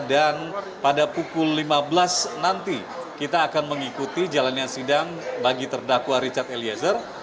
dan pada pukul lima belas nanti kita akan mengikuti jalannya sidang bagi terdakwa richard eliezer